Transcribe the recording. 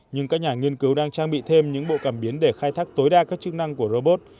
nhưng các nhà nghiên cứu đang trang bị thêm những bộ cảm biến để khai thác tối đa các chức năng của robot